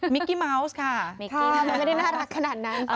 มิกกี้เมาส์ค่ะมันไม่ได้น่ารักขนาดนั้น